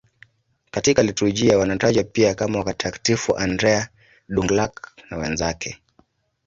Katika liturujia wanatajwa pia kama Watakatifu Andrea Dũng-Lạc na wenzake.